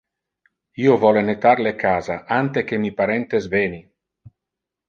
Io vole nettar le casa ante que mi parentes veni.